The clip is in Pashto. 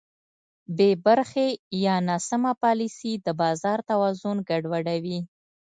بېبرخې یا ناسمه پالیسي د بازار توازن ګډوډوي.